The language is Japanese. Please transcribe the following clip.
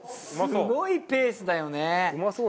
すごいペースだよね。